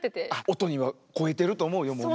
音には肥えてると思うよもう耳。